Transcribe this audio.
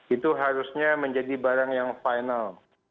itu harusnya menjadi barang yang final